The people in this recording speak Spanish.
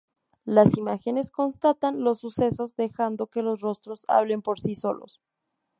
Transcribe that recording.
Las imágenes constatan los sucesos dejando que los rostros hablen por sí solos.